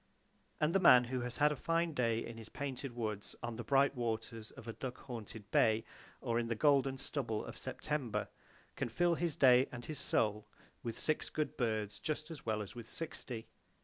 And the man who has had a fine day in the painted woods, on the bright waters of a duck haunted bay, or in the golden stubble of September, can fill his day and his soul with six good birds just as well as with sixty.